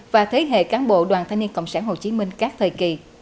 và thế hệ cán bộ đoàn thanh niên cộng sản hồ chí minh các thời kỳ